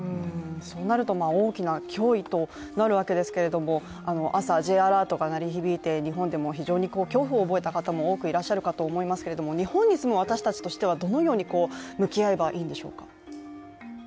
そうなると大きな脅威となるわけですが、朝、Ｊアラートが鳴り響いて、日本でも非常に恐怖を覚えた方も多くいらっしゃるかとも思いますけれども日本に住む私たちとしてはどのように向き合えばいいんでしょうか？